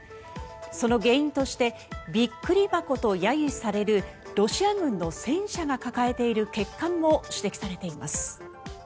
その原因としてびっくり箱と揶揄されるロシア軍の戦車が抱えている欠陥も指摘されています。